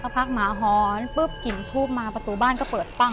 พักหมาหอนปุ๊บกลิ่นทูบมาประตูบ้านก็เปิดปั้ง